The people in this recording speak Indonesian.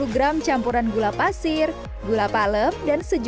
satu ratus delapan puluh gram campuran gula pasir gula palem dan sejumlah kue